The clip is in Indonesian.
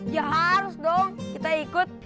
ya harus dong kita ikut